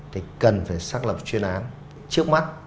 thì cần phải xác lập chuyên án trước mắt